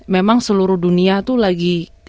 memang seluruh dunia itu lagi